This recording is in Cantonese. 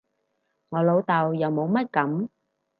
我老豆又冇乜噉